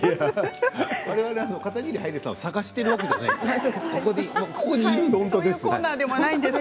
我々は片桐はいりさんを探しているわけではないです。